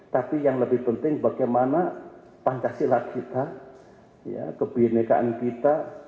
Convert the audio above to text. tapi yang lebih penting bagaimana pancasila kita kebinekaan kita